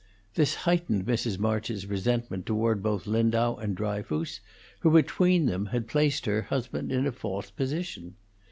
This heightened Mrs. March's resentment toward both Lindau and Dryfoos, who between them had placed her husband in a false position.